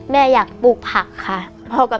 แม่อยากปลูกผักค่ะ